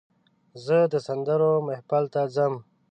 زه د سندرو محفل ته ځم.